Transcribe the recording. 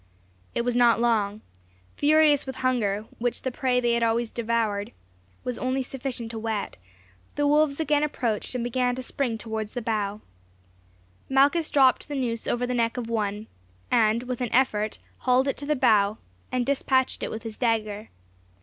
It was not long. Furious with hunger, which the prey they had already devoured was only sufficient to whet, the wolves again approached and began to spring towards the bough. Malchus dropped the noose over the neck of one, and with an effort hauled it to the bough, and despatched it with his dagger.